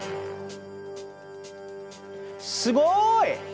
すごい！